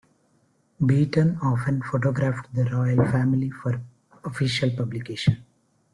Beaton often photographed the Royal Family for official publication.